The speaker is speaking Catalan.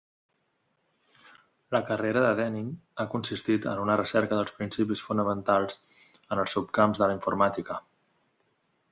La carrera de Denning ha consistit en una recerca dels principis fonamentals en els subcamps de la informàtica.